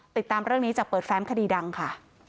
ติดตามเรื่องนี้จากเปิดแฟ้มคดีดังค่ะ